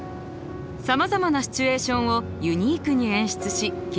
さまざまなシチュエーションをユニークに演出し切り取ります。